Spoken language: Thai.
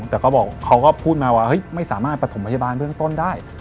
แต่เขาบอกเขาก็พูดมาว่าไม่สามารถประถมพยาบาลเบื้องต้นได้